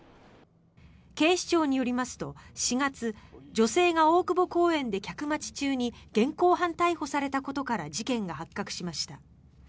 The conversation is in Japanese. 警視庁によりますと４月、女性が大久保公園で客待ち中に現行犯逮捕されたことから事件が発覚しました。